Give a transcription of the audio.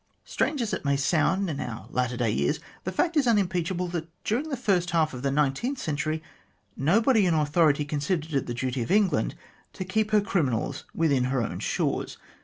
Strange as it may sound in our latter day ears, the fact is unimpeachable that, during the first half of the nineteenth century, nobody in authority considered it the duty of England to keep her criminals within her own shores.